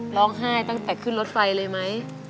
ร้องไห้ตั้งแต่ขึ้นรถไฟเลยไหม